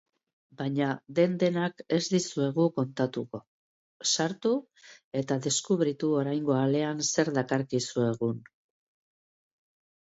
Baina den-denak ez dizuegu kontatuko, sartu eta deskubritu oraingo alean zer dakarkizuegun.